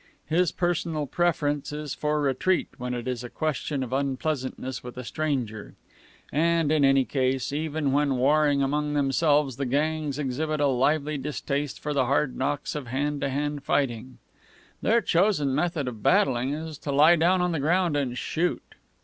His personal preference is for retreat when it is a question of unpleasantness with a stranger. And, in any case, even when warring among themselves, the gangs exhibit a lively distaste for the hard knocks of hand to hand fighting. Their chosen method of battling is to lie down on the ground and shoot.